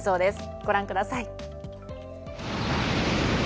ご覧ください。